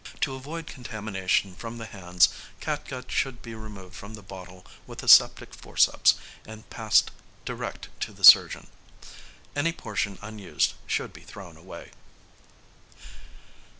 To avoid contamination from the hands, catgut should be removed from the bottle with aseptic forceps and passed direct to the surgeon. Any portion unused should be thrown away.